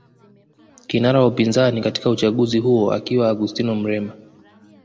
Kinara wa upinzani katika uchaguzi huo akiwa Augustino Mrema